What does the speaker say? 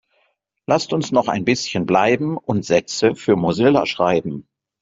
Lasst uns noch ein bisschen bleiben und Sätze für Mozilla schreiben.